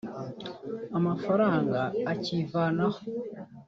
amafaranga ikivanaho